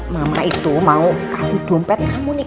mama itu mau kasih dompet ketemu nih